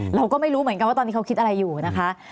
เราก็ไม่รู้เหมือนกันว่าตอนนี้เขาคิดอะไรอยู่นะคะ